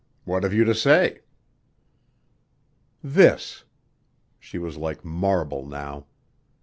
What have you to say?" "This." She was like marble now.